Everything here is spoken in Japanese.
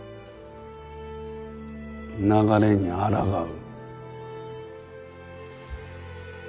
流れにあらがう？